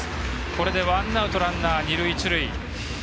これでワンアウトランナー、二塁一塁。